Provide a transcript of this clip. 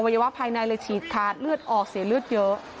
วะภายในเลยฉีดขาดเลือดออกเสียเลือดเยอะ